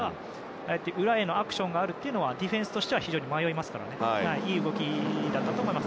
ああやって裏へのアクションがあるということはディフェンスとしても非常に迷いますからいい動きだと思います。